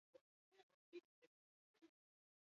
Biktimen artean zauritu, preso, errefuxiatu eta zibilak daude.